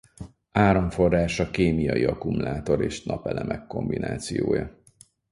Áramforrása kémiai akkumulátor és napelemek kombinációja.